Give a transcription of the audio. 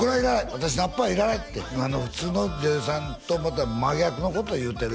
私ナッパいらない」って「普通の女優さんと真逆のこと言うてる」